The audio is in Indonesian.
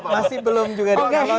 masih belum juga dikalonkan